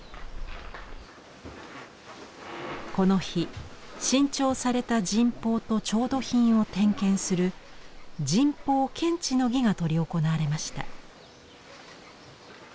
この日新調された神宝と調度品を点検する神宝検知之儀が執り行われました。